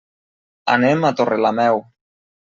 Anem a Torrelameu.